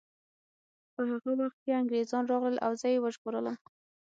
په هغه وخت کې انګریزان راغلل او زه یې وژغورلم